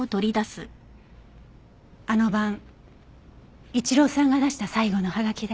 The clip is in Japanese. あの晩一郎さんが出した最後のはがきです。